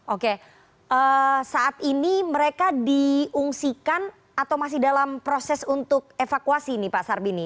oke saat ini mereka diungsikan atau masih dalam proses untuk evakuasi nih pak sarbini